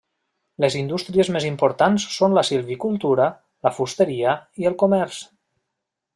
Les indústries més importants són la silvicultura, la fusteria i el comerç.